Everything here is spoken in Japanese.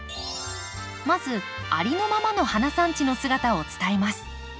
まずありのままの花産地の姿を伝えます。